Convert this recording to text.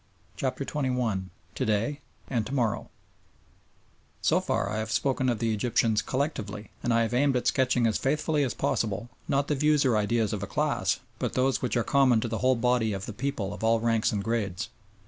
CHAPTER XXI TO DAY AND TO MORROW So far I have spoken of the Egyptians collectively, and I have aimed at sketching as faithfully as possible, not the views or ideas of a class but those which are common to the whole body of the people of all ranks and grades.